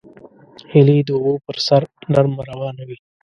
هیلۍ د اوبو پر سر نرمه روانه وي